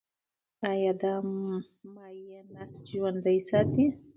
ایا دا مایع نسج ژوندی ساتي؟